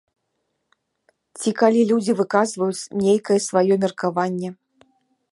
Ці калі людзі выказваюць нейкае сваё меркаванне.